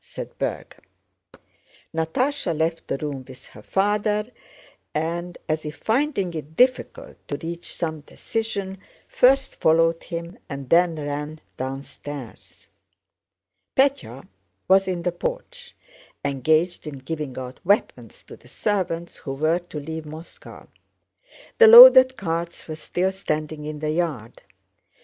said Berg. Natásha left the room with her father and, as if finding it difficult to reach some decision, first followed him and then ran downstairs. Pétya was in the porch, engaged in giving out weapons to the servants who were to leave Moscow. The loaded carts were still standing in the yard.